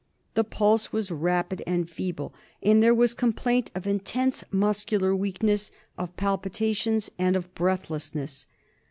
The pulse was rapid and feeble, and there was complaint of intense muscular weakness, of palpitations, and of breathlessness.